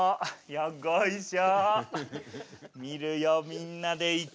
よっこいしょ。